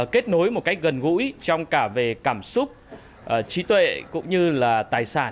kết nối một cách gần gũi trong cả về cảm xúc trí tuệ cũng như là tài sản